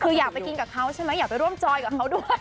คืออยากไปกินกับเขาใช่ไหมอยากไปร่วมจอยกับเขาด้วย